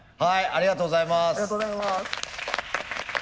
ありがとうございます。